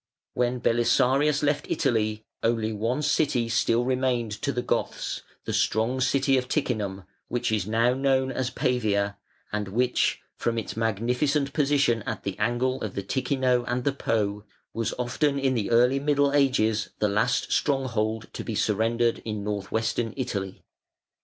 When Belisarius left Italy, only one city still remained to the Goths, the strong city of Ticinum, which is now known as Pavia, and which, from its magnificent position at the angle of the Ticino and the Po, was often in the early Middle Ages the last stronghold to be surrendered in Northwestern Italy.